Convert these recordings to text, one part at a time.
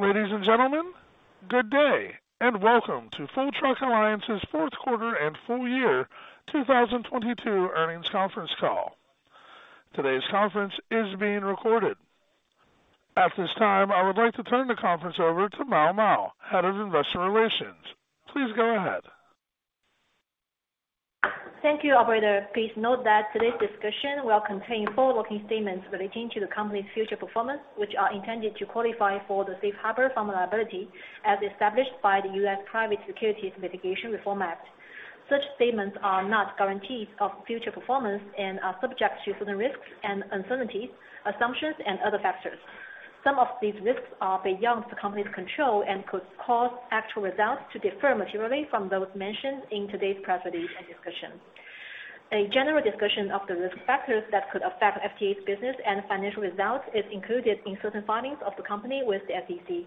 Ladies and gentlemen, good day and welcome to Full Truck Alliance's fourth quarter and full year 2022 earnings conference call. Today's conference is being recorded. At this time, I would like to turn the conference over to Mao Mao, Head of Investor Relations. Please go ahead. Thank you, Operator. Please note that today's discussion will contain forward-looking statements relating to the company's future performance, which are intended to qualify for the safe harbor from liability as established by the U.S. Private Securities Litigation Reform Act. Such statements are not guarantees of future performance and are subject to certain risks and uncertainties, assumptions and other factors. Some of these risks are beyond the company's control and could cause actual results to differ materially from those mentioned in today's press release and discussions. A general discussion of the risk factors that could affect FTA's business and financial results is included in certain filings of the company with the SEC.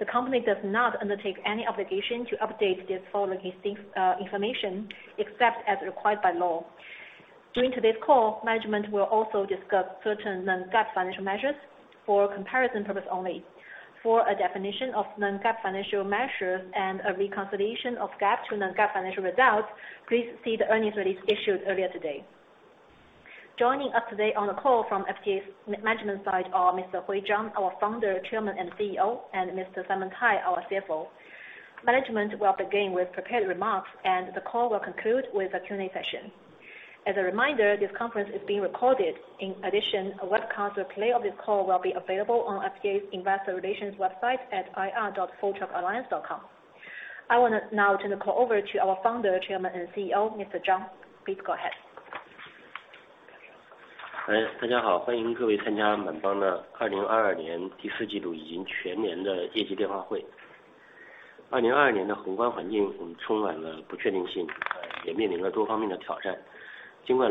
The company does not undertake any obligation to update this forward-looking statement information except as required by law. During today's call, management will also discuss certain non-GAAP financial measures for comparison purpose only. For a definition of non-GAAP financial measures and a reconciliation of GAAP to non-GAAP financial results, please see the earnings release issued earlier today. Joining us today on the call from FTA's management side are Mr. Hui Zhang, our Founder, Chairman and CEO, and Mr. Simon Cai, our CFO. Management will begin with prepared remarks and the call will conclude with a Q&A session. As a reminder, this conference is being recorded. In addition, a webcast replay of this call will be available on FTA's Investor Relations website at ir.fulltruckalliance.com. I want to now turn the call over to our Founder, Chairman and CEO, Mr. Zhang. Please go ahead. Hello,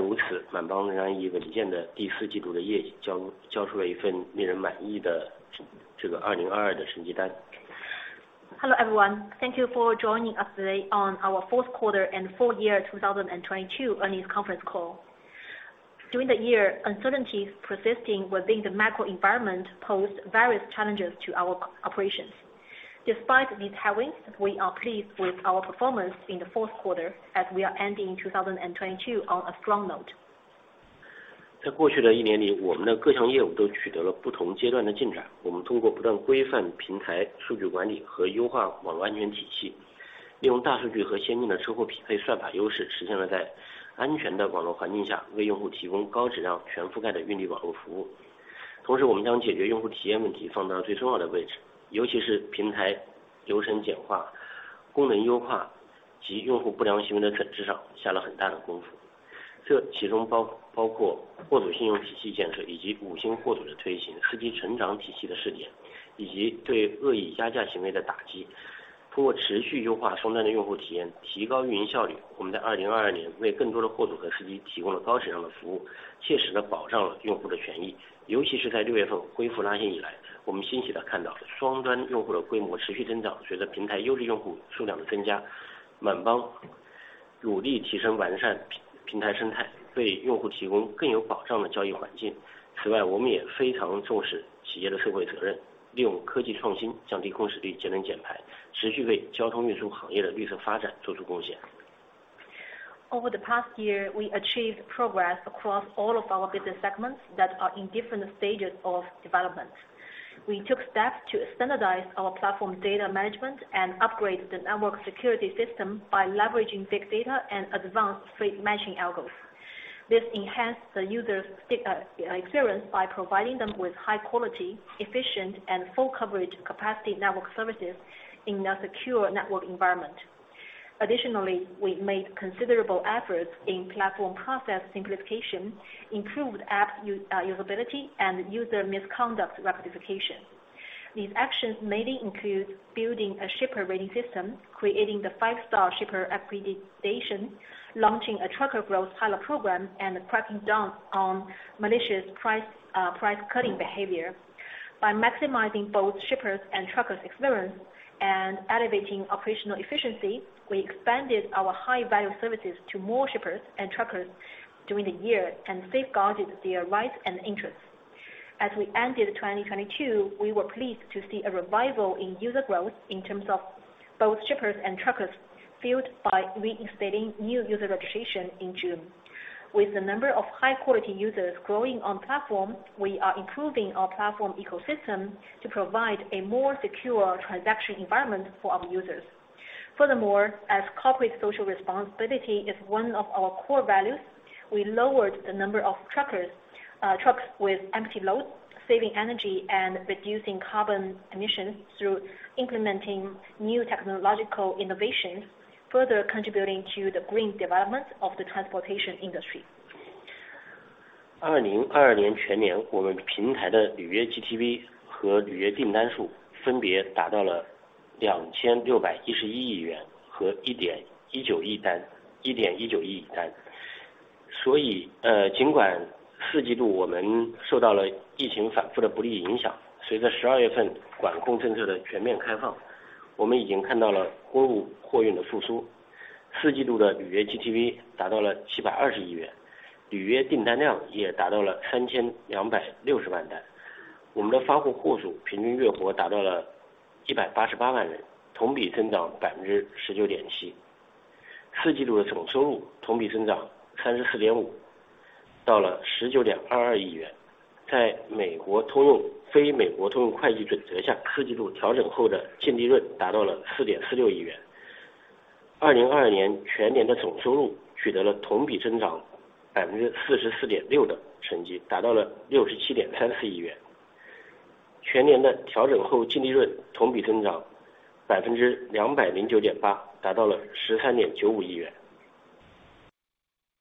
everyone. Thank you for joining us today on our fourth quarter and full year 2022 earnings conference call. During the year, uncertainties persisting within the macro environment posed various challenges to our operations. Despite these headwinds, we are pleased with our performance in the fourth quarter as we are ending 2022 on a strong note. 四季度的预约 GTV 达到了七百二十亿 元， 预约订单量也达到了三千两百六十万单。我们的发货货主平均月活达到了一百八十八万 人， 同比增长百分之十九点七。四季度的总收入同比增长三十四点 五， 到了十九点二二亿元。在美国通用非美国通用会计准则 下， 四季度调整后的净利润达到了四点四六亿元。二零二二年全年的总收入取得了同比增长百分之四十四点六的成 绩， 达到了六十七点三四亿元。全年的调整后净利润同比增长百分之两百零九点 八， 达到了十三点九五亿元。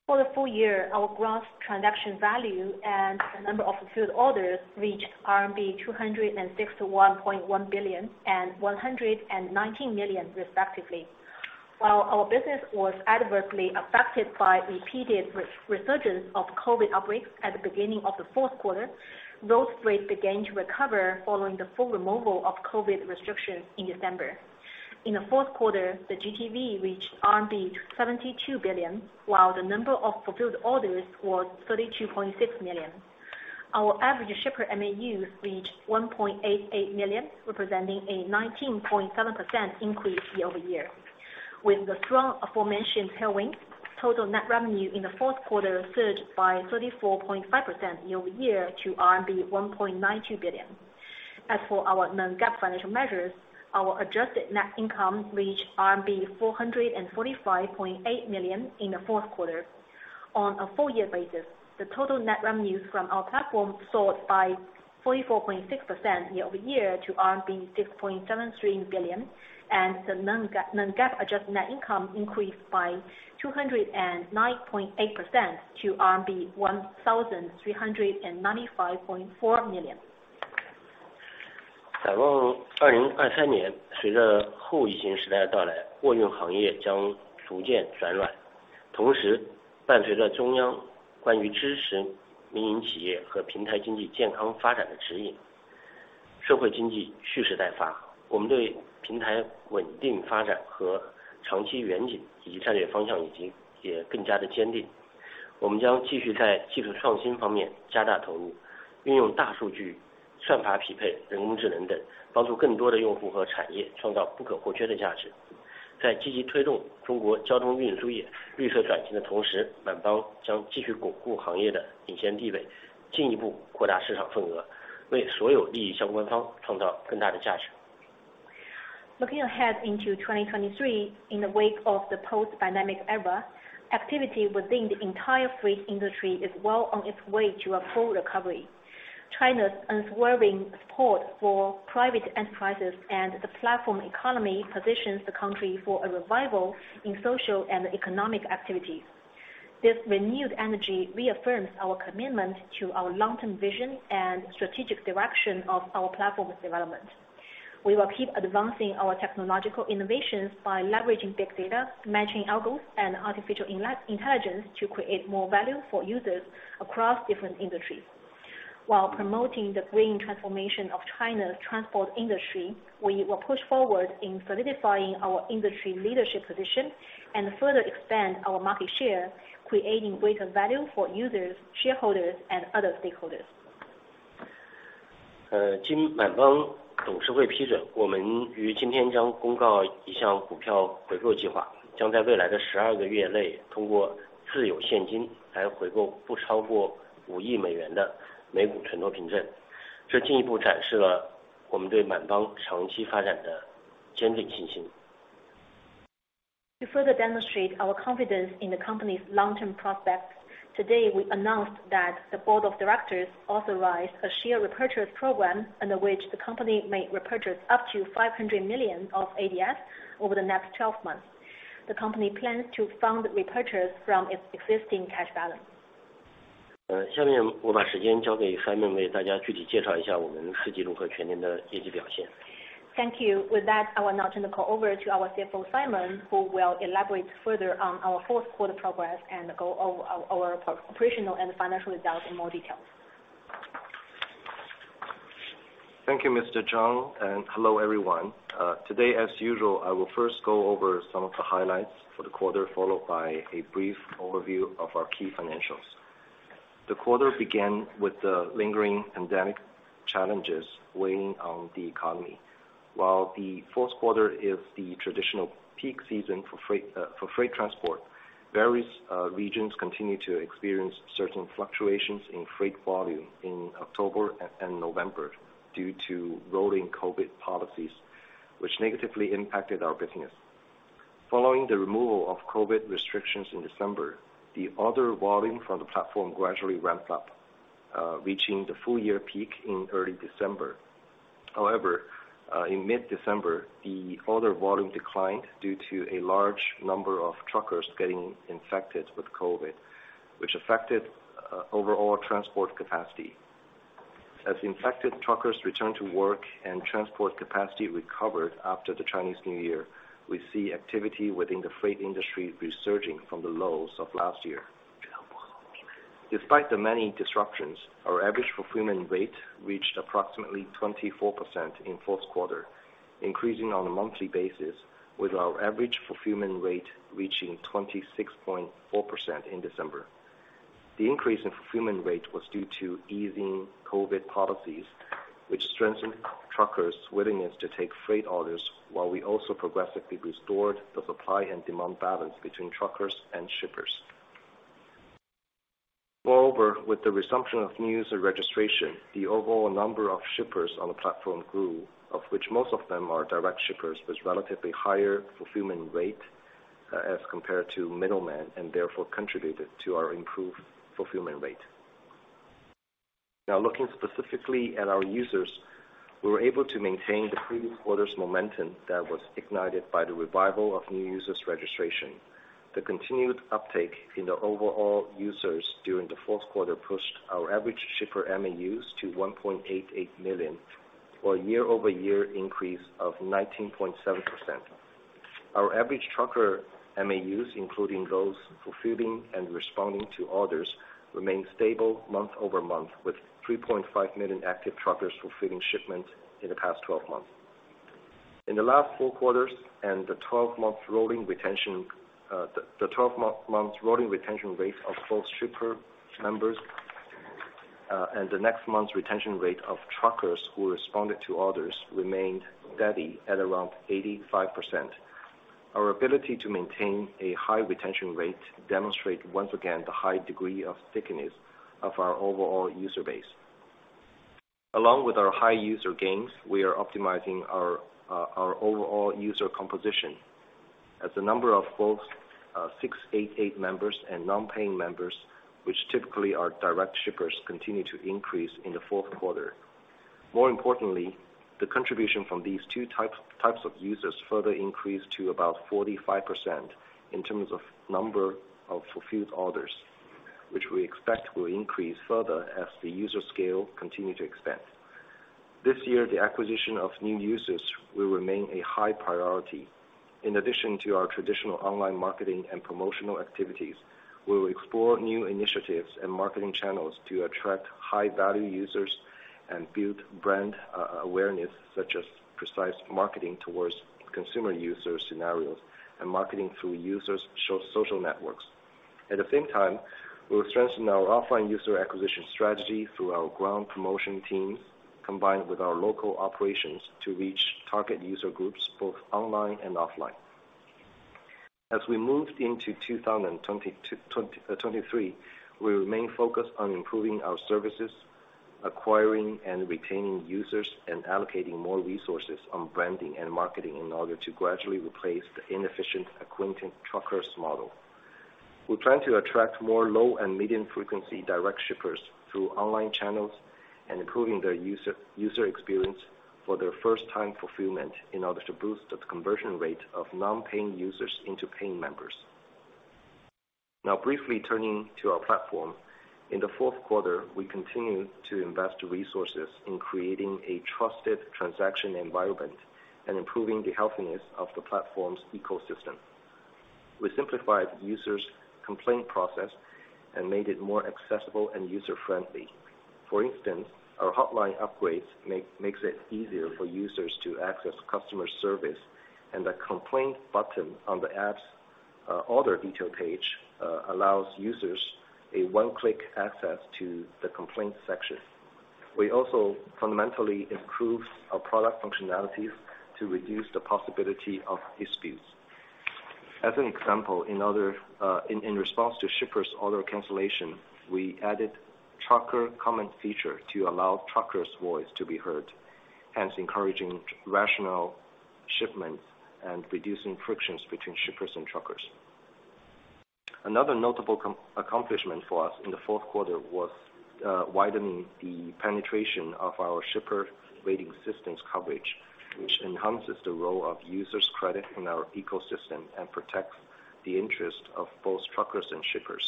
For the full year, our gross transaction value and the number of fulfilled orders reached RMB 261.1 billion and 119 million respectively. Our business was adversely affected by repeated resurgence of COVID outbreaks at the beginning of the fourth quarter, those rates began to recover following the full removal of COVID restrictions in December. In the fourth quarter, the GTV reached RMB 72 billion, while the number of fulfilled orders was 32.6 million. Our average shipper MAUs reached 1.88 million, representing a 19.7% increase year-over-year. With the strong aforementioned tailwind, total net revenue in the fourth quarter surged by 34.5% year-over-year to RMB 1.92 billion. As for our non-GAAP financial measures, our adjusted net income reached RMB 445.8 million in the fourth quarter. On a full year basis, the total net revenues from our platform soared by 44.6% year-over-year to RMB 6.73 billion. The non-GAAP adjusted net income increased by 209.8% to CNY 1,395.4 million. 展望2023 年， 随着后疫情时代到 来， 货运行业将逐渐转暖。同 时， 伴随着中央关于支持民营企业和平台经济健康发展的指 引， 社会经济蓄势待发。我们对平台稳定发展和长期愿景以及战略方向已经也更加的坚定。我们将继续在技术创新方面加大投 入， 运用大数据、算法匹配、人工智能 等， 帮助更多的用户和产业创造不可或缺的价值。在积极推动中国交通运输业绿色转型的同 时， 满帮将继续巩固行业的领先地 位， 进一步扩大市场份 额， 为所有利益相关方创造更大的价值。Looking ahead into 2023, in the wake of the post-pandemic era, activity within the entire freight industry is well on its way to a full recovery. China's unswerving support for private enterprises and the platform economy positions the country for a revival in social and economic activity. This renewed energy reaffirms our commitment to our long-term vision and strategic direction of our platform's development. We will keep advancing our technological innovations by leveraging big data, matching algorithms, and artificial intelligence to create more value for users across different industries. While promoting the green transformation of China's transport industry, we will push forward in solidifying our industry leadership position and further expand our market share, creating greater value for users, shareholders, and other stakeholders. 呃， 经满帮董事会批 准， 我们于今天将公告一项股票回购计 划， 将在未来的十二个月内通过自有现金来回购不超过五亿美元的美股存托凭证。这进一步展示了我们对满帮长期发展的坚定信心。To further demonstrate our confidence in the company's long-term prospects, today we announced that the Board of Directors authorized a share repurchase program under which the company may repurchase up to 500 million of ADS over the next 12 months. The company plans to fund repurchase from its existing cash balance. 下面我把时间交给 Simon， 为大家具体介绍一下我们四季度和全年的业绩表 现. Thank you. With that, I will now turn the call over to our CFO, Simon, who will elaborate further on our fourth quarter progress and go over our operational and financial results in more details. Thank you, Mr. Zhang. Hello, everyone. Today, as usual, I will first go over some of the highlights for the quarter, followed by a brief overview of our key financials. The quarter began with the lingering pandemic challenges weighing on the economy. While the fourth quarter is the traditional peak season for freight, for freight transport, various regions continued to experience certain fluctuations in freight volume in October and November due to rolling COVID policies, which negatively impacted our business. Following the removal of COVID restrictions in December, the order volume from the platform gradually ramped up, reaching the full year peak in early December. However, in mid-December, the order volume declined due to a large number of truckers getting infected with COVID, which affected overall transport capacity. As infected truckers returned to work and transport capacity recovered after the Chinese New Year, we see activity within the freight industry resurging from the lows of last year. Despite the many disruptions, our average fulfillment rate reached approximately 24% in fourth quarter, increasing on a monthly basis, with our average fulfillment rate reaching 26.4% in December. The increase in fulfillment rate was due to easing COVID policies, which strengthened truckers' willingness to take freight orders while we also progressively restored the supply and demand balance between truckers and shippers. Moreover, with the resumption of new user registration, the overall number of shippers on the platform grew, of which most of them are direct shippers with relatively higher fulfillment rate as compared to middleman, and therefore contributed to our improved fulfillment rate. Now, looking specifically at our users, we were able to maintain the previous quarter's momentum that was ignited by the revival of new users registration. The continued uptake in the overall users during the fourth quarter pushed our average shipper MAUs to 1.88 million, for a year-over-year increase of 19.7%. Our average trucker MAUs, including those fulfilling and responding to orders, remained stable month-over-month, with 3.5 million active truckers fulfilling shipments in the past 12 months. In the last four quarters and the 12-month rolling retention, the 12-month rolling retention rate of both shipper members and the next month's retention rate of truckers who responded to orders remained steady at around 85%. Our ability to maintain a high retention rate demonstrate once again the high degree of stickiness of our overall user base. Along with our high user gains, we are optimizing our overall user composition. As the number of both 688 members and non-paying members, which typically are direct shippers, continue to increase in the fourth quarter. More importantly, the contribution from these two types of users further increased to about 45% in terms of number of fulfilled orders, which we expect will increase further as the user scale continue to expand. This year, the acquisition of new users will remain a high priority. In addition to our traditional online marketing and promotional activities, we will explore new initiatives and marketing channels to attract high-value users and build brand awareness, such as precise marketing towards consumer user scenarios and marketing through users' social networks. At the same time, we'll strengthen our offline user acquisition strategy through our ground promotion teams, combined with our local operations to reach target user groups both online and offline. As we move into 2023, we remain focused on improving our services, acquiring and retaining users, and allocating more resources on branding and marketing in order to gradually replace the inefficient acquainted truckers model. We're trying to attract more low and medium frequency direct shippers through online channels and improving their user experience for their first time fulfillment in order to boost the conversion rate of non-paying users into paying members. Now, briefly turning to our platform. In the fourth quarter, we continued to invest resources in creating a trusted transaction environment and improving the healthiness of the platform's ecosystem. We simplified users' complaint process and made it more accessible and user-friendly. For instance, our hotline upgrades makes it easier for users to access customer service, and the complaint button on the app's order detail page allows users a one-click access to the complaints section. We also fundamentally improved our product functionalities to reduce the possibility of disputes. As an example, in response to shippers' order cancellation, we added trucker comment feature to allow truckers' voice to be heard, hence encouraging rational shipments and reducing frictions between shippers and truckers. Another notable accomplishment for us in the fourth quarter was widening the penetration of our shipper rating systems coverage, which enhances the role of users' credit in our ecosystem and protects the interest of both truckers and shippers.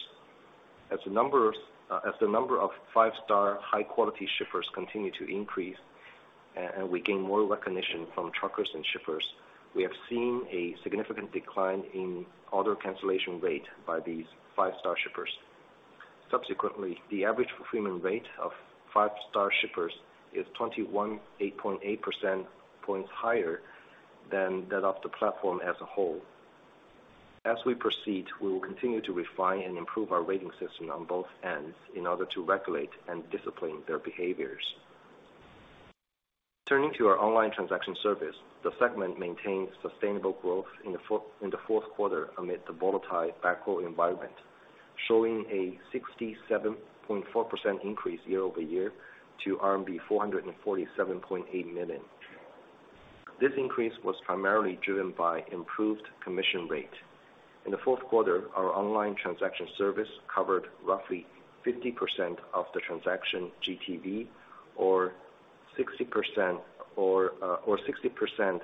As the number of five-star high-quality shippers continue to increase and we gain more recognition from truckers and shippers, we have seen a significant decline in order cancellation rate by these five-star shippers. Subsequently, the average fulfillment rate of five-star shippers is 218.8 percent points higher than that of the platform as a whole. As we proceed, we will continue to refine and improve our rating system on both ends in order to regulate and discipline their behaviors. Turning to our online transaction service, the segment maintained sustainable growth in the fourth quarter amid the volatile macro environment, showing a 67.4% increase year-over-year to RMB 447.8 million. This increase was primarily driven by improved commission rate. In the fourth quarter, our online transaction service covered roughly 50% of the transaction GTV or 60%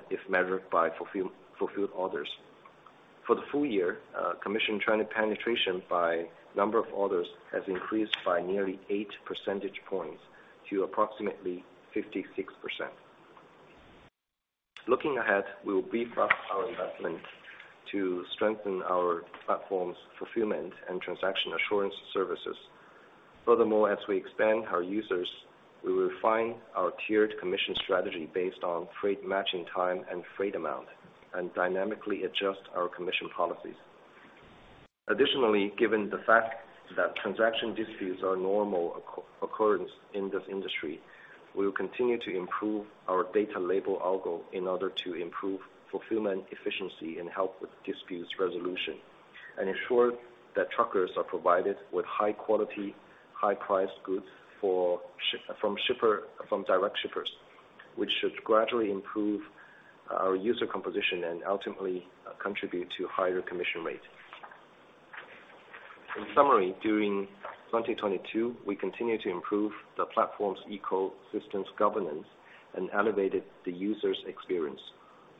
if measured by fulfilled orders. For the full year, commission trend penetration by number of orders has increased by nearly 8 percentage points to approximately 56%. Looking ahead, we will beef up our investment to strengthen our platform's fulfillment and transaction assurance services. Furthermore, as we expand our users, we will refine our tiered commission strategy based on freight matching time and freight amount, and dynamically adjust our commission policies. Given the fact that transaction disputes are normal occurrence in this industry, we will continue to improve our data label algo in order to improve fulfillment efficiency and help with disputes resolution, and ensure that truckers are provided with high quality, high-priced goods for from direct shippers, which should gradually improve our user composition and ultimately contribute to higher commission rate. During 2022, we continued to improve the platform's ecosystems governance and elevated the user's experience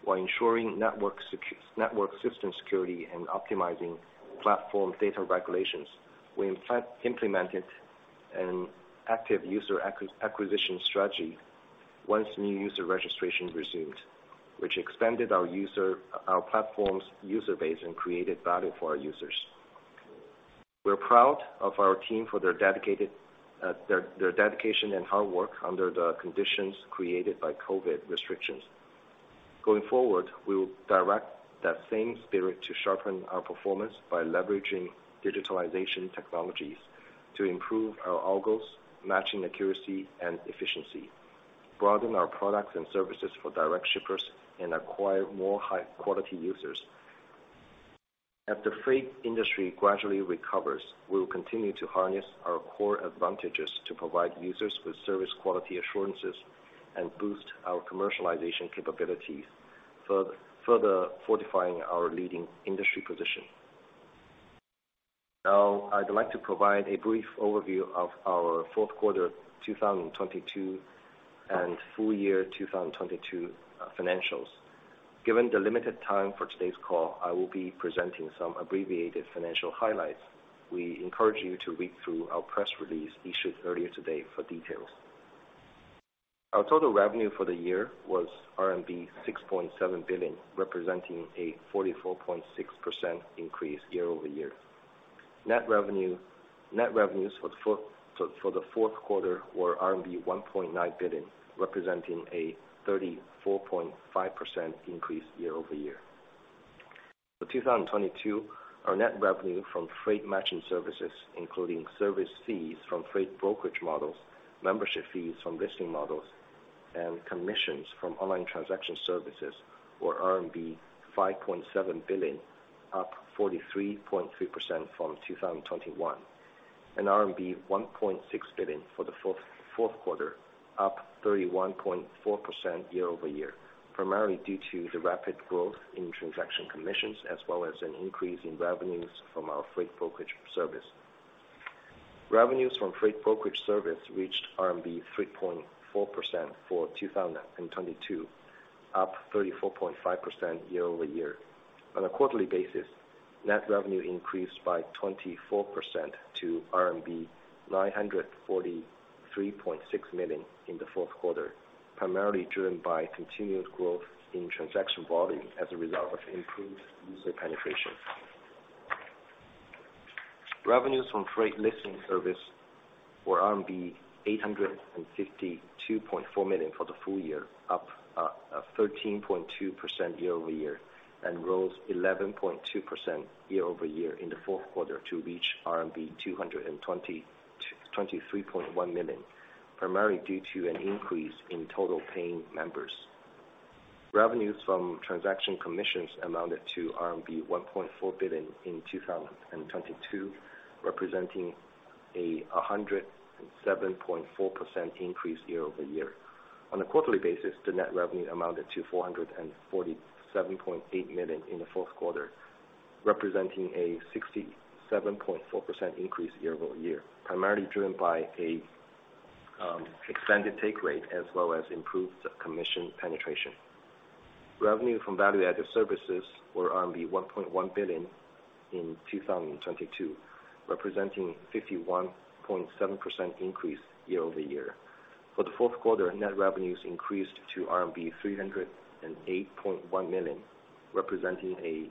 while ensuring network system security and optimizing platform data regulations. We implemented an active user acquisition strategy once new user registration resumed, which expanded our platform's user base and created value for our users. We are proud of our team for their dedicated, their dedication and hard work under the conditions created by COVID restrictions. Going forward, we will direct that same spirit to sharpen our performance by leveraging digitalization technologies to improve our algos, matching accuracy and efficiency, broaden our products and services for direct shippers, and acquire more high-quality users. As the freight industry gradually recovers, we will continue to harness our core advantages to provide users with service quality assurances and boost our commercialization capabilities, further fortifying our leading industry position. I'd like to provide a brief overview of our fourth quarter 2022 and full year 2022 financials. Given the limited time for today's call, I will be presenting some abbreviated financial highlights. We encourage you to read through our press release issued earlier today for details. Our total revenue for the year was RMB 6.7 billion, representing a 44.6% increase year-over-year. Net revenues for the fourth quarter were RMB 1.9 billion, representing a 34.5% increase year-over-year. For 2022, our net revenue from freight matching services, including service fees from freight brokerage models, membership fees from listing models, and commissions from online transaction services were RMB 5.7 billion, up 43.3% from 2021, and RMB 1.6 billion for the fourth quarter, up 31.4% year-over-year, primarily due to the rapid growth in transaction commissions as well as an increase in revenues from our freight brokerage service. Revenues from freight brokerage service reached CNY 3.4% for 2022, up 34.5% year-over-year. On a quarterly basis, net revenue increased by 24% to RMB 943.6 million in the fourth quarter, primarily driven by continued growth in transaction volume as a result of improved user penetration. Revenues from freight listing service were 852.4 million for the full year, up 13.2% year-over-year, and rose 11.2% year-over-year in the fourth quarter to reach RMB 223.1 million, primarily due to an increase in total paying members. Revenues from transaction commissions amounted to RMB 1.4 billion in 2022, representing a 107.4% increase year-over-year. On a quarterly basis, the net revenue amounted to 447.8 million in the fourth quarter, representing a 67.4% increase year-over-year, primarily driven by a expanded take rate as well as improved commission penetration. Revenue from value-added services were 1.1 billion in 2022, representing 51.7% increase year-over-year. For the fourth quarter, net revenues increased to RMB 308.1 million, representing a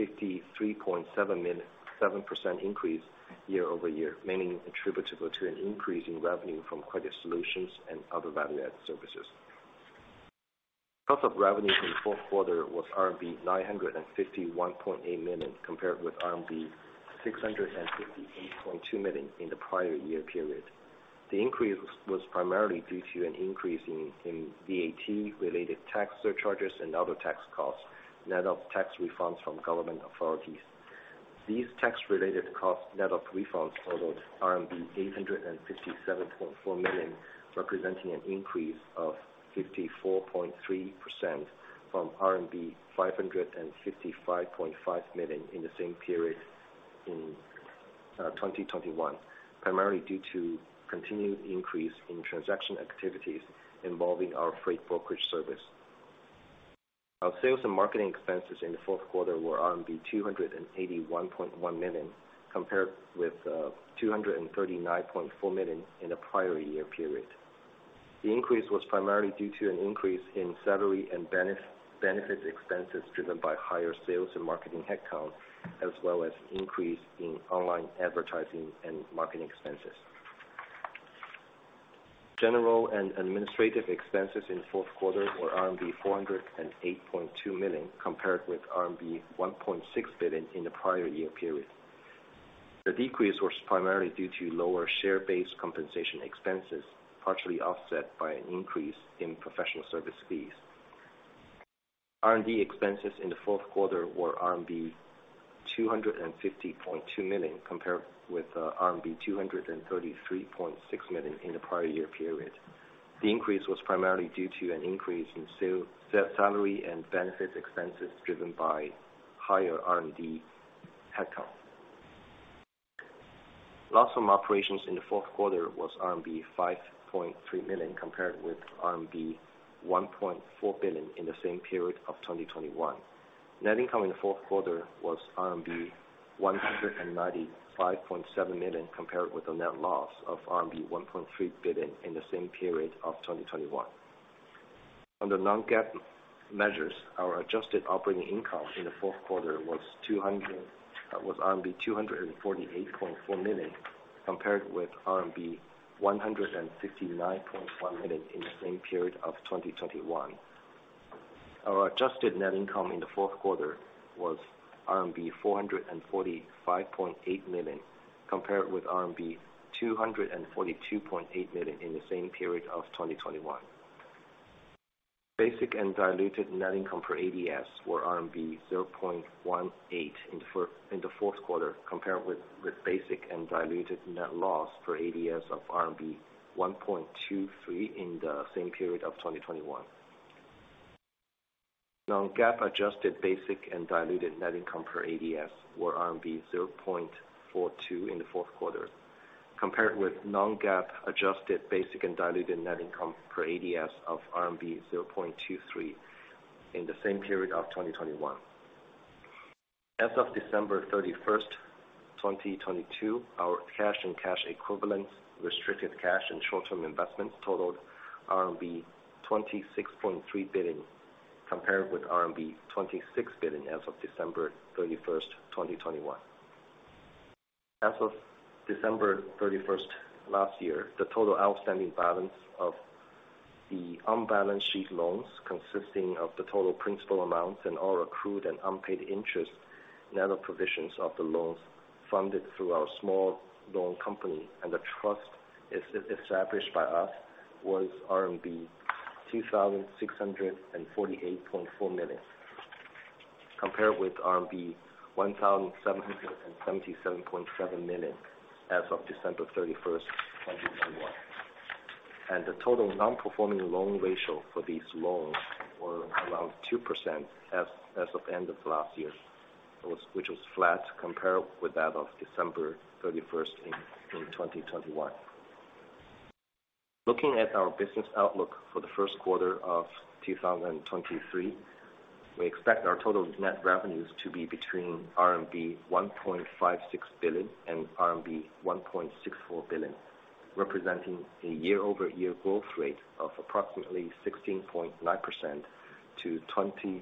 53.7% increase year-over-year, mainly attributable to an increase in revenue from credit solutions and other value-added services. Cost of revenue in the fourth quarter was RMB 951.8 million, compared with RMB 658.2 million in the prior year period. The increase was primarily due to an increase in VAT related tax surcharges and other tax costs, net of tax refunds from government authorities. These tax-related costs, net of refunds, totaled RMB 857.4 million, representing an increase of 54.3% from RMB 555.5 million in the same period in 2021, primarily due to continued increase in transaction activities involving our freight brokerage service. Our sales and marketing expenses in the fourth quarter were 281.1 million, compared with 239.4 million in the prior year period. The increase was primarily due to an increase in salary and benefit expenses driven by higher sales and marketing headcount, as well as increase in online advertising and marketing expenses. General and administrative expenses in the fourth quarter were RMB 408.2 million, compared with RMB 1.6 billion in the prior year period. The decrease was primarily due to lower share-based compensation expenses, partially offset by an increase in professional service fees. R&D expenses in the fourth quarter were RMB 250.2 million, compared with RMB 233.6 million in the prior year period. The increase was primarily due to an increase in salary and benefits expenses driven by higher R&D headcount. Loss from operations in the fourth quarter was RMB 5.3 million, compared with RMB 1.4 billion in the same period of 2021. Net income in the fourth quarter was RMB 195.7 million, compared with a net loss of RMB 1.3 billion in the same period of 2021. Under non-GAAP measures, our adjusted operating income in the fourth quarter was RMB 248.4 million, compared with RMB 169.1 million in the same period of 2021. Our adjusted net income in the fourth quarter was RMB 445.8 million, compared with RMB 242.8 million in the same period of 2021. Basic and diluted net income per ADS were RMB 0.18 in the fourth quarter, compared with basic and diluted net loss per ADS of RMB 1.23 in the same period of 2021. Non-GAAP adjusted basic and diluted net income per ADS were RMB 0.42 in the fourth quarter, compared with non-GAAP adjusted basic and diluted net income per ADS of RMB 0.23 in the same period of 2021. As of December 31st, 2022, our cash and cash equivalents, restricted cash and short-term investments totaled RMB 26.3 billion, compared with RMB 26 billion as of December 31st, 2021. As of December 31st last year, the total outstanding balance of the on-balance sheet loans consisting of the total principal amounts and all accrued and unpaid interest net of provisions of the loans funded through our small loan company and the trust established by us was RMB 2,648.4 million, compared with RMB 1,777.7 million as of December 31st, 2021. The total non-performing loan ratio for these loans were around 2% as of end of last year, which was flat compared with that of December 31st, 2021. Looking at our business outlook for the first quarter of 2023, we expect our total net revenues to be between RMB 1.56 billion and RMB 1.64 billion, representing a year-over-year growth rate of approximately 16.9%-23%.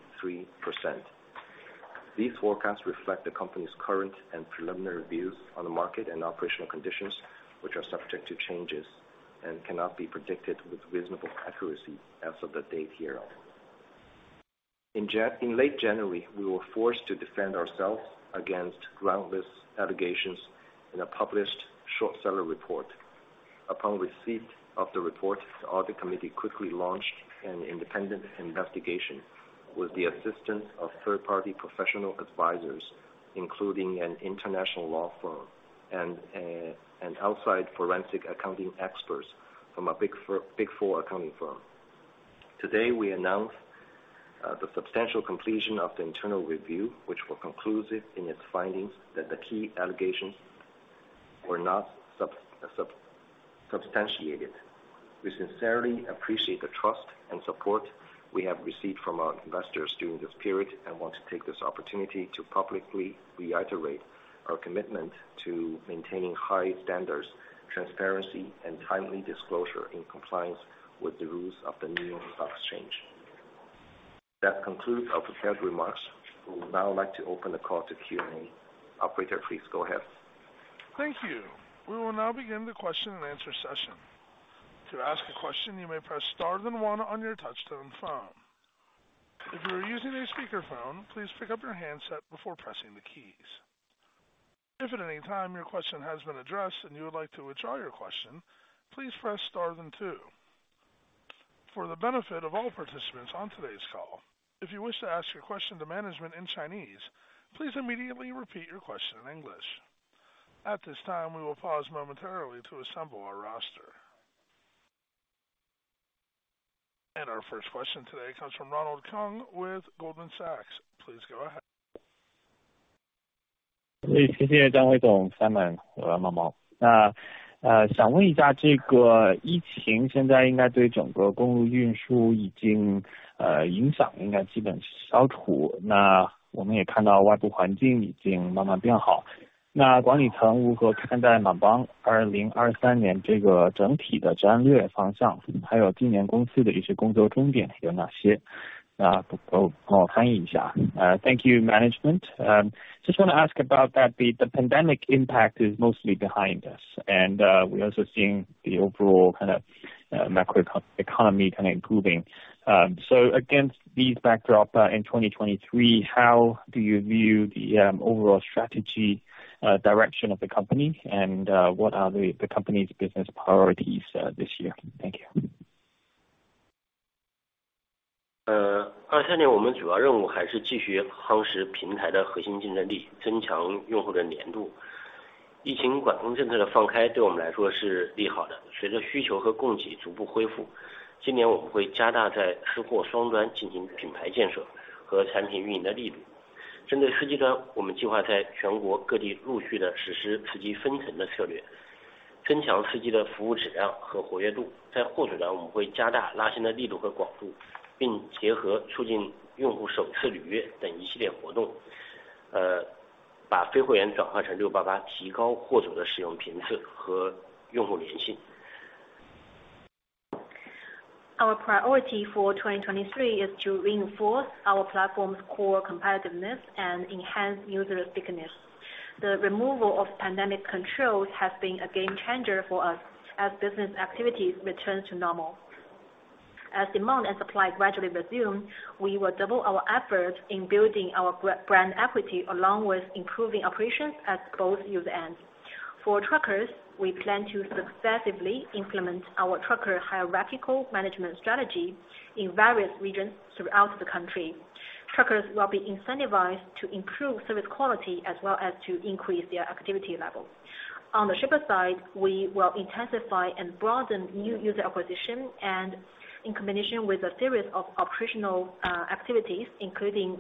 These forecasts reflect the company's current and preliminary views on the market and operational conditions, which are subject to changes and cannot be predicted with reasonable accuracy as of the date hereof. In late January, we were forced to defend ourselves against groundless allegations in a published short seller report. Upon receipt of the report, the audit committee quickly launched an independent investigation with the assistance of third-party professional advisors, including an international law firm and an outside forensic accounting experts from a big four accounting firm. Today, we announce the substantial completion of the internal review, which were conclusive in its findings that the key allegations were not substantiated. We sincerely appreciate the trust and support we have received from our investors during this period and want to take this opportunity to publicly reiterate our commitment to maintaining high standards, transparency, and timely disclosure in compliance with the rules of the New York Stock Exchange. That concludes our prepared remarks. We would now like to open the call to Q&A. Operator, please go ahead. Thank you. We will now begin the question and answer session. To ask a question, you may press star then one on your touchtone phone. If you are using a speakerphone, please pick up your handset before pressing the keys. If at any time your question has been addressed and you would like to withdraw your question, please press star then two. For the benefit of all participants on today's call, if you wish to ask your question to management in Chinese, please immediately repeat your question in English. At this time, we will pause momentarily to assemble our roster. Our first question today comes from Ronald Keung with Goldman Sachs. Please go ahead. 谢谢 Mr. Zhang, Simon Cai 和 Mao Mao. 想问一 下， 这个疫情现在应该对整个公路运输已经影响应该基本消 除， 我们也看到外部环境已经慢慢变 好， 管理层如何看待 Full Truck Alliance 2023这个整体的战略方 向？ 还有今年公司的一些工作重点有哪 些？ 帮我翻译一下。Thank you management, just wanna ask about that the pandemic impact is mostly behind us, we're also seeing the overall kind of macroeconomy kind of improving. Against these backdrop, in 2023, how do you view the overall strategy direction of the company? What are the company's business priorities this year? Thank you. 2023年我们主要任务还是继续夯实平台的核心竞争 力, 增强用户的黏 度. 疫情管控政策的放开对我们来说是利好 的. 随着需求和供给逐步恢 复, 今年我们会加大在供货双端进行品牌建设和产品运营的力 度. 针对司机 端, 我们计划在全国各地陆续地实施司机分成的策 略, 增强司机的服务质量和活跃 度. 在货主 端, 我们会加大拉新的力度和广 度, 并结合促进用户首次履约等一系列活 动, 把非会员转化成 688, 提高货主的使用频次和用户粘 性. Our priority for 2023 is to reinforce our platform's core competitiveness and enhance user thickness. The removal of pandemic controls has been a game changer for us as business activities return to normal. As demand and supply gradually resume, we will double our efforts in building our brand equity along with improving operations at both user ends. For truckers, we plan to successively implement our trucker hierarchical management strategy in various regions throughout the country. Truckers will be incentivized to improve service quality as well as to increase their activity levels. On the shipper side, we will intensify and broaden new user acquisition and in combination with a series of operational activities, including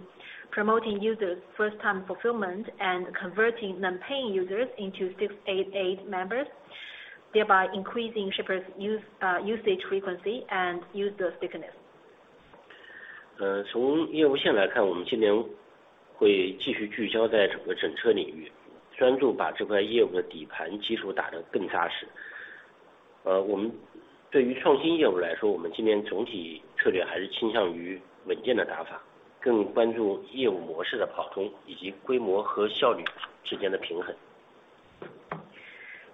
promoting users' first-time fulfillment and converting non-paying users into 688 members, thereby increasing shippers usage frequency and user thickness. 从业务线来 看, 我们今年会继续聚焦在整个整车领 域, 专注把这块业务的底盘基础打得更扎 实. 我们对于创新业务来 说, 我们今年总体策略还是倾向于稳健的打 法, 更关注业务模式的跑通以及规模和效率之间的平 衡.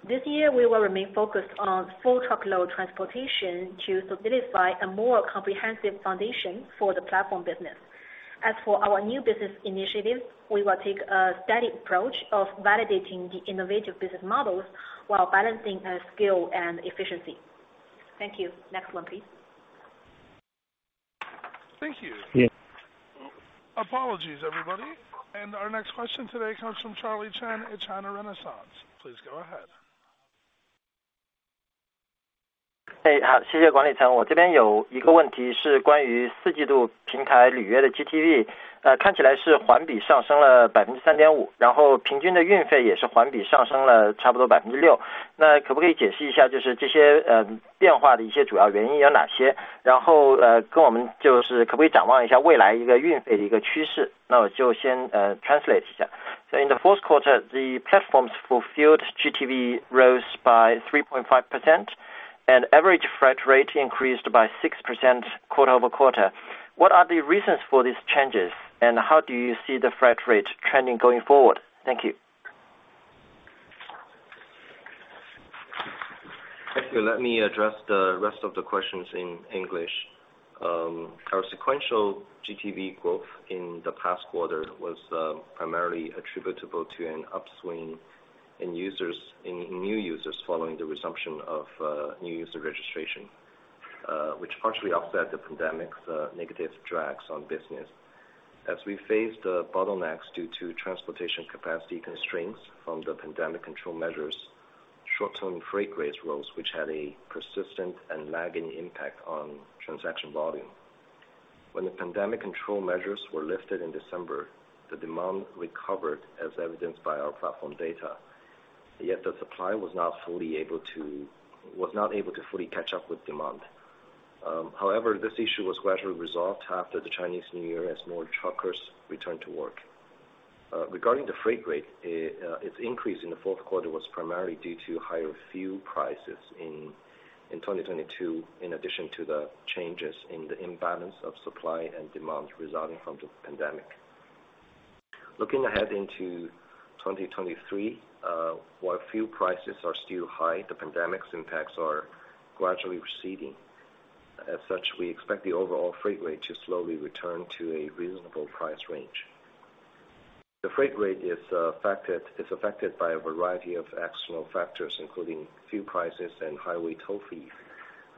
This year, we will remain focused on full truckload transportation to solidify a more comprehensive foundation for the platform business. As for our new business initiatives, we will take a steady approach of validating the innovative business models while balancing scale and efficiency. Thank you. Next one, please. Thank you. Yeah。Apologies, everybody. Our next question today comes from Charlie Chen at China Renaissance. Please go ahead. 哎， 好， 谢谢管理 层， 我这边有一个问题是关于四季度平台里约的 GTV， 看起来是环比上升了 3.5%， 然后平均的运费也是环比上升了差不多 6%。那可不可以解释一 下， 就是这些变化的一些主要原因有哪 些？ 然后跟我们就是可不可以展望一下未来一个运费的一个趋 势？ 那我就先 translate 一下。In the fourth quarter, the platform's fulfilled GTV rose by 3.5% and average freight rate increased by 6% quarter-over-quarter. What are the reasons for these changes and how do you see the freight rate trending going forward? Thank you. Thank you. Let me address the rest of the questions in English. Our sequential GTV growth in the past quarter was primarily attributable to an upswing in new users following the resumption of new user registration, which partially offset the pandemic's negative drags on business. As we faced bottlenecks due to transportation capacity constraints from the pandemic control measures, short-term freight rates rose, which had a persistent and lagging impact on transaction volume. When the pandemic control measures were lifted in December, the demand recovered as evidenced by our platform data. The supply was not able to fully catch up with demand. This issue was gradually resolved after the Chinese New Year as more truckers returned to work. Regarding the freight rate, its increase in the fourth quarter was primarily due to higher fuel prices in 2022, in addition to the changes in the imbalance of supply and demand resulting from the pandemic. Looking ahead into 2023, while fuel prices are still high, the pandemic's impacts are gradually receding. We expect the overall freight rate to slowly return to a reasonable price range. The freight rate is affected by a variety of external factors, including fuel prices and highway toll fees,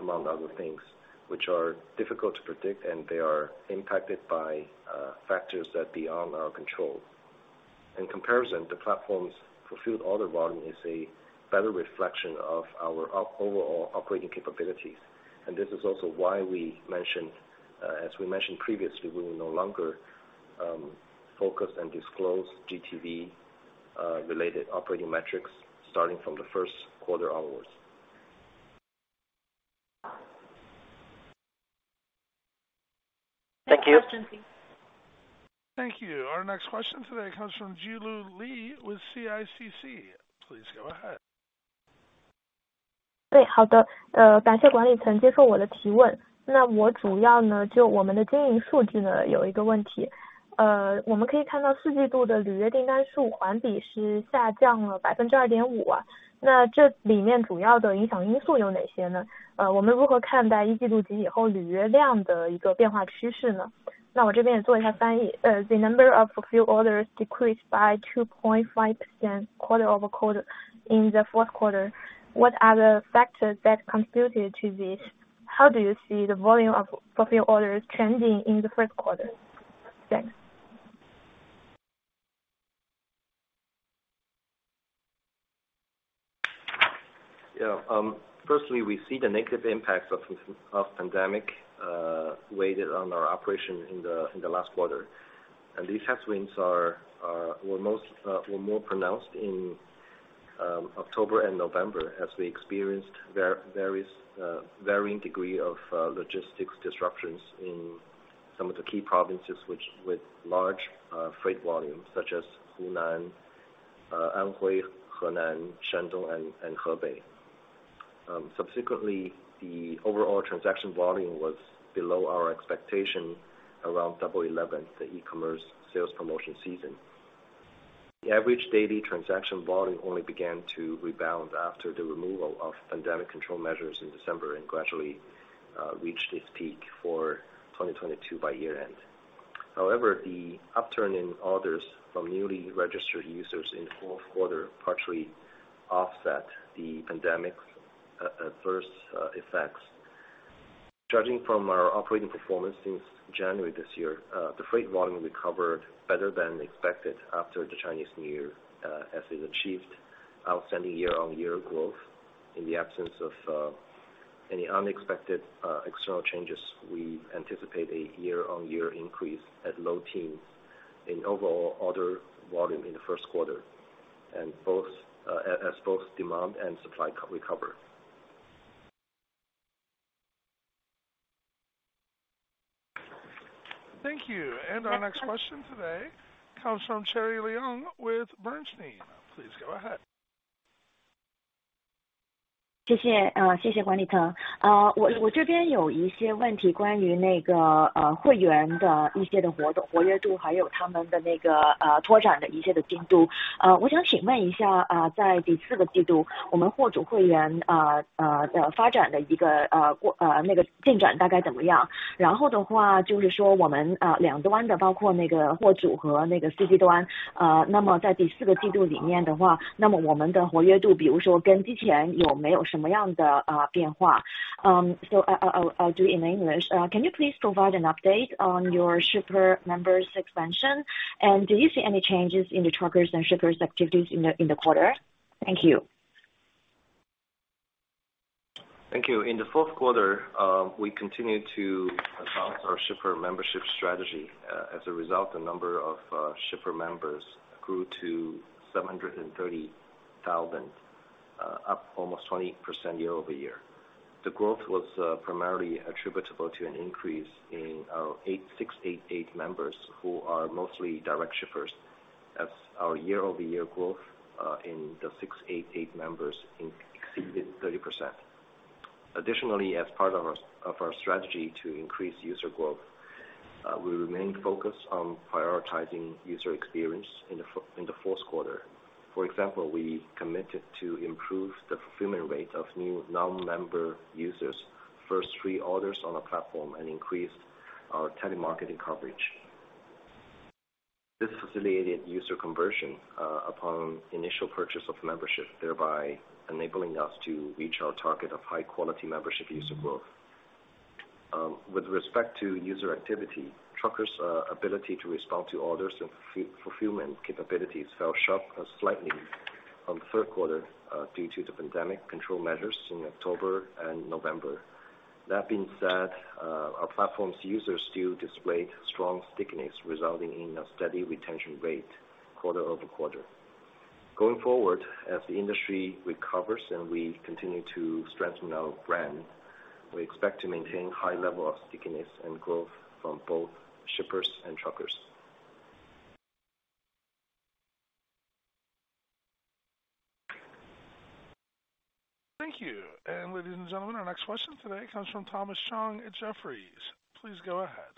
among other things, which are difficult to predict, and they are impacted by factors that beyond our control. In comparison, the platform's fulfilled order volume is a better reflection of our overall operating capabilities. This is also why we mentioned, as we mentioned previously, we will no longer focus and disclose GTV related operating metrics starting from the first quarter onwards. Thank you. Thank you. Our next question today comes from Jiulu Li with CICC. Please go ahead. 对， 好的。呃... 感谢管理层接受我的提问。那我主要 呢， 就我们的经营数据 呢， 有一个问题。呃... 我们可以看到四季度的履约订单数环比是下降了百分之二点五 啊， 那这里面主要的影响因素有哪些 呢？ 呃... 我们如何看待一季度及以后履约量的一个变化趋势 呢？ 那我这边也做一下翻译。Uh, the number of fulfilled orders decreased by 2.5% quarter-over-quarter in the fourth quarter. What are the factors that contributed to this? How do you see the volume of fulfilled orders trending in the first quarter? Thanks. Firstly, we see the negative impacts of pandemic weighted on our operation in the last quarter. These headwinds were more pronounced in October and November as we experienced various varying degree of logistics disruptions in some of the key provinces with large freight volumes such as Hunan, Anhui, Henan, Shandong, and Hebei. Subsequently, the overall transaction volume was below our expectation around Double 11, the e-commerce sales promotion season. The average daily transaction volume only began to rebound after the removal of pandemic control measures in December and gradually reached its peak for 2022 by year end. However, the upturn in orders from newly registered users in the fourth quarter partially offset the pandemic adverse effects. Judging from our operating performance since January this year, the freight volume recovered better than expected after the Chinese New Year, as it achieved outstanding year-on-year growth. In the absence of any unexpected external changes, we anticipate a year-on-year increase at low teens in overall order volume in the first quarter and both, as both demand and supply co-recover. Thank you. Our next question today comes from Cherry Leung with Bernstein. Please go ahead. 谢谢。谢谢管理层。我这边有一些问题关于那个会员的一些的活动活跃 度， 还有他们的那个拓展的一些的进度。我想请问一 下， 在 fourth quarter， 我们货主会员发展的一个进展大概怎么 样？ 然后的 话， 就是说我们两端 的， 包括那个货主和那个司机 端， 那么在第四个季度里面的 话， 那么我们的活跃度比如说跟之前有没有什么样 的， 变 化？ I'll do it in English. Can you please provide an update on your shipper members expansion? Do you see any changes in the truckers and shippers activities in the quarter? Thank you. Thank you. In the fourth quarter, we continued to advance our shipper membership strategy. As a result, the number of shipper members grew to 730,000, up almost 20% year-over-year. The growth was primarily attributable to an increase in our 688 members who are mostly direct shippers. Our year-over-year growth in the 688 members exceeded 30%. Additionally, as part of our strategy to increase user growth, we remained focused on prioritizing user experience in the fourth quarter. For example, we committed to improve the fulfillment rate of new non-member users' first three orders on a platform and increased our telemarketing coverage. This facilitated user conversion upon initial purchase of membership, thereby enabling us to reach our target of high quality membership user growth. With respect to user activity, truckers' ability to respond to orders and fulfillment capabilities fell sharp slightly on the third quarter due to the pandemic control measures in October and November. That being said, our platform's users still displayed strong stickiness, resulting in a steady retention rate quarter-over-quarter. Going forward, as the industry recovers and we continue to strengthen our brand, we expect to maintain high level of stickiness and growth from both shippers and truckers. Thank you. Ladies and gentlemen, our next question today comes from Thomas Chong at Jefferies. Please go ahead.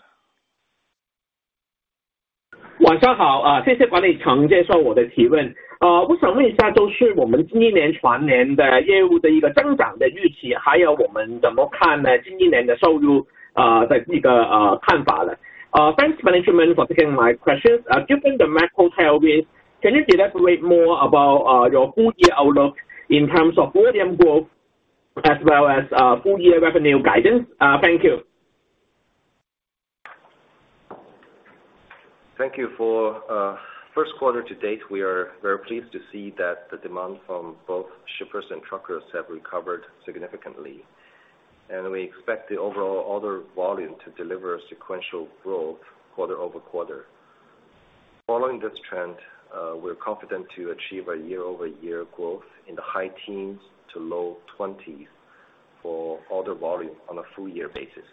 晚上好。谢谢管理层接受我的提问。我想问一 下， 就是我们今年全年的业务的一个增长的预 期， 还有我们怎么看呢今年年的收 入， 的这 个， 看法 呢？ Thanks management for taking my questions. Given the macro tailwind, can you elaborate more about your full-year outlook in terms of volume growth as well as full-year revenue guidance? Thank you. Thank you. For first quarter to date, we are very pleased to see that the demand from both shippers and truckers have recovered significantly, and we expect the overall order volume to deliver a sequential growth quarter-over-quarter. Following this trend, we're confident to achieve a year-over-year growth in the high teens to low 20s for order volume on a full year basis.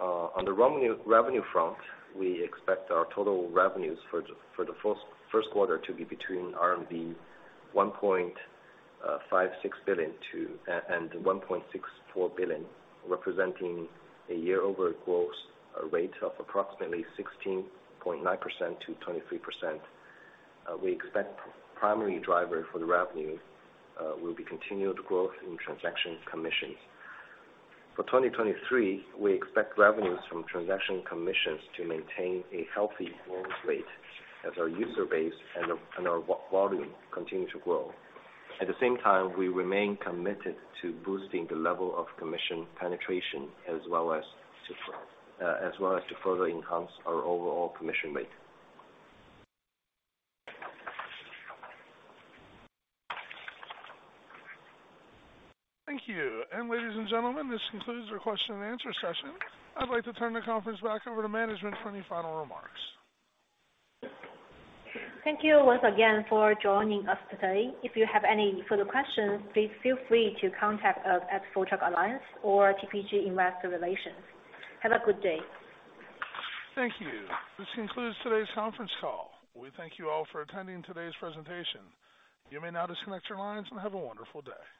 On the revenue front, we expect our total revenues for the first quarter to be between RMB 1.56 billion to and 1.64 billion, representing a year-over-year growth rate of approximately 16.9% to 23%. We expect primary driver for the revenue will be continued growth in transaction commissions. For 2023, we expect revenues from transaction commissions to maintain a healthy growth rate as our user base and our volume continue to grow. The same time, we remain committed to boosting the level of commission penetration as well as to further enhance our overall commission rate. Thank you. Ladies and gentlemen, this concludes our question-and-answer session. I'd like to turn the conference back over to management for any final remarks. Thank you once again for joining us today. If you have any further questions, please feel free to contact us at Full Truck Alliance or TPG Investor Relations. Have a good day. Thank you. This concludes today's conference call. We thank you all for attending today's presentation. You may now disconnect your lines and have a wonderful day.